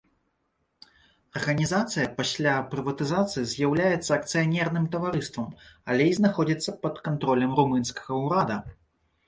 Арганізацыя пасля прыватызацыі з'яўляецца акцыянерным таварыстам, але і знаходзіцца пад кантролем румынскага ўрада.